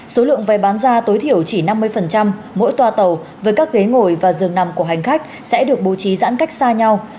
số lượng vé bán ra tối thiểu chỉ năm mươi mỗi toa tàu với các ghế ngồi và giường nằm của hành khách sẽ được bố trí giãn cách xa nhau